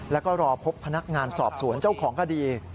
แล้วก็รอพบพนักงานสอบสวนเจ้าของคดี